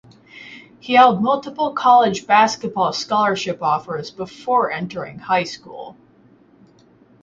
He held multiple college basketball scholarship offers before entering high school.